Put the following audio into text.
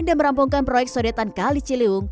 dan merampungkan proyek sodetan kali celiwung